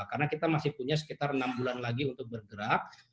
karena kita masih punya sekitar enam bulan lagi untuk bergerak